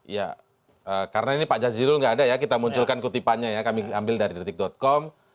ya karena ini pak jazilul nggak ada ya kita munculkan kutipannya ya kami ambil dari detik com